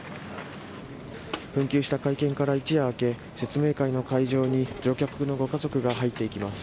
紛糾した会見から一夜明け説明会の会場に乗客のご家族が入っていきます。